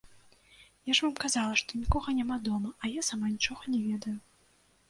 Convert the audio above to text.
Я ж вам казала, што нікога няма дома, а я сама нічога не ведаю.